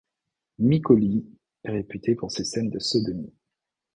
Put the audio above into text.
Miko Lee est réputée pour ses scènes de sodomie.